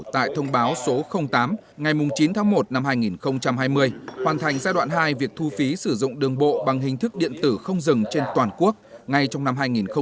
tại thông báo số tám ngày chín tháng một năm hai nghìn hai mươi hoàn thành giai đoạn hai việc thu phí sử dụng đường bộ bằng hình thức điện tử không dừng trên toàn quốc ngay trong năm hai nghìn hai mươi